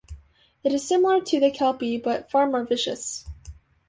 It is similar to the kelpie, but far more vicious.